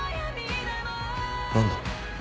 何だ？